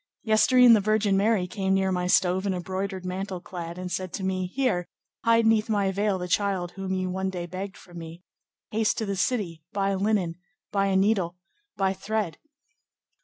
"Yestere'en the Virgin Mary came near my stove, in a broidered mantle clad, and said to me, 'Here, hide 'neath my veil the child whom you one day begged from me. Haste to the city, buy linen, buy a needle, buy thread.